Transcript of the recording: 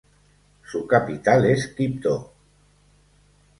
Su capital es Quibdó.